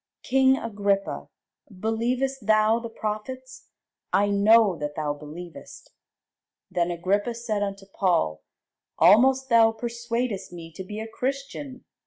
King Agrippa, believest thou the prophets? I know that thou believest. Then Agrippa said unto Paul, Almost thou persuadest me to be a Christian.